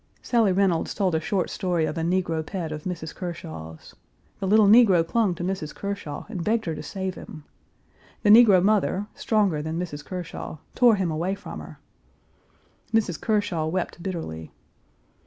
Sally Reynolds told a short story of a negro pet of Mrs. Kershaw's. The little negro clung to Mrs. Kershaw and begged her to save him. The negro mother, stronger than Mrs. Kershaw, tore him away from her. Mrs. Kershaw wept bitterly.